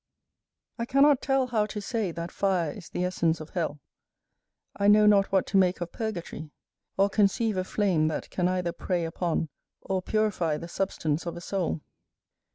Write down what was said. I cannot tell how to say that fire is the essence of hell; I know not what to make of purgatory, or conceive a flame that can either prey upon, or purify the substance of a soul.